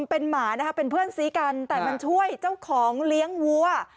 เป็นหมานะคะเป็นเพื่อนซีกันแต่มันช่วยเจ้าของเลี้ยงวัว